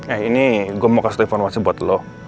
eh ini gue mau kasih telepon whatsapp buat lo